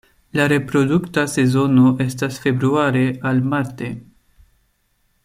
La reprodukta sezono ekas februare al marte.